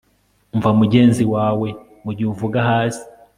Umva mugenzi wawe mugihe uvuga hasi